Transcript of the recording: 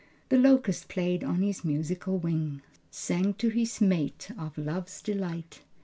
The locust played on his musical wing, Sang to his mate of love's delight.